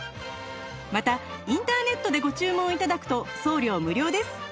またインターネットでご注文頂くと送料無料です